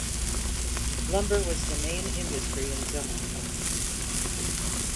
Lumber was the main industry in Zemple.